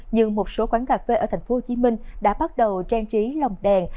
nhưng một số quán cà phê ở tp hcm đã bắt đầu trang trí lòng đèn